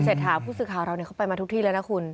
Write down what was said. ผู้สื่อข่าวเราเข้าไปมาทุกที่แล้วนะคุณ